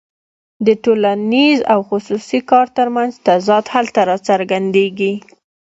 د ټولنیز او خصوصي کار ترمنځ تضاد هلته راڅرګندېږي